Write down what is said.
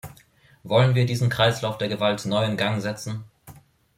Wollen wir diesen Kreislauf der Gewalt neu in Gang setzen?